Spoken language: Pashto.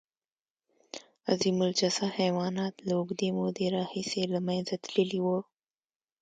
عظیم الجثه حیوانات له اوږدې مودې راهیسې له منځه تللي وو.